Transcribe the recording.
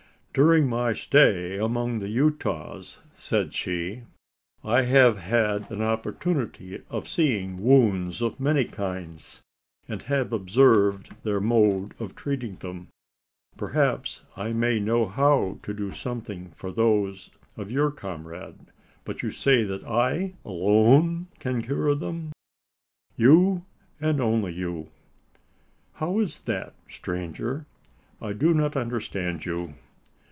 "During my stay among the Utahs," said she, "I have had an opportunity of seeing wounds of many kinds, and have observed their mode of treating them. Perhaps I may know how to do something for those of your comrade? But you say that I alone can cure them?" "You, and you only." "How is that, stranger? I do not understand you!"